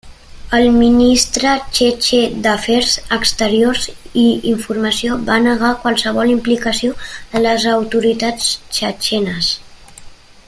El ministre txetxè d'Afers Exteriors i Informació va negar qualsevol implicació de les autoritats txetxenes.